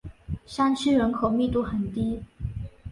山区人口密度很低。